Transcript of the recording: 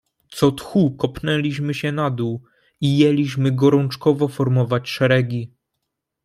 "Co tchu kopnęliśmy się na dół i jęliśmy gorączkowo formować szeregi."